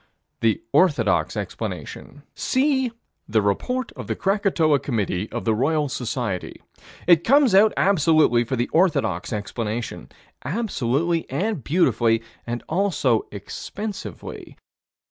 The orthodox explanation: See the Report of the Krakatoa Committee of the Royal Society. It comes out absolutely for the orthodox explanation absolutely and beautifully, also expensively.